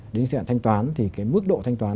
đến thời gian thanh toán thì cái mức độ thanh toán